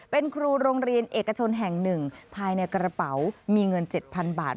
เป็นครูโรงเรียนเอกชนแห่งหนึ่งภายในกระเป๋ามีเงินเจ็ดพันบาท